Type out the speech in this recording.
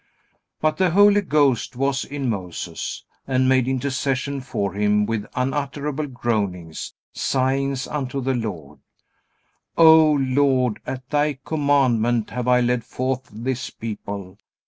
But the Holy Ghost was in Moses and made intercession for him with unutterable groanings, sighings unto the Lord: "O Lord, at Thy commandment have I led forth this people.